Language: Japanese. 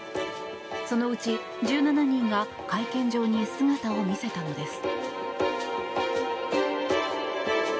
そのうち１７人が会見場に姿を見せたのです。